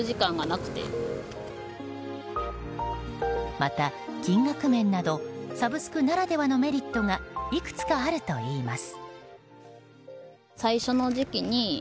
また、金額面などサブスクならではのメリットがいくつかあるといいます。